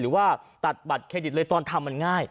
หรือว่าตัดบัตรเครดิตเลยตอนทำมันง่าย